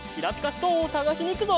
ストーンをさがしにいくぞ！